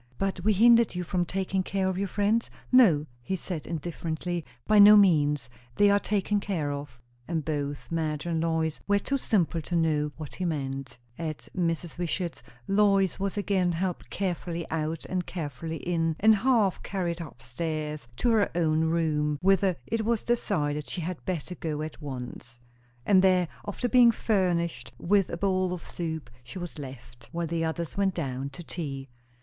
"But we hindered you from taking care of your friends?" "No," he said indifferently; "by no means. They are taken care of." And both Madge and Lois were too simple to know what he meant. At Mrs. Wishart's, Lois was again helped carefully out and carefully in, and half carried up stairs to her own room, whither it was decided she had better go at once. And there, after being furnished with a bowl of soup, she was left, while the others went down to tea.